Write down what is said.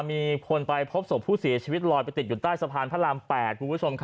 มีคนไปพบศพผู้เสียชีวิตลอยไปติดอยู่ใต้สะพานพระราม๘คุณผู้ชม